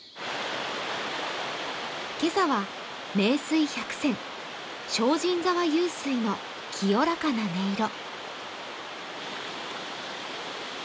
今朝は名水百選、尚仁沢湧水の清らかな音色。